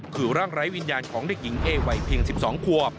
คือร่างไร้วิญญาณของเด็กหญิงเอวัยเพียง๑๒ควบ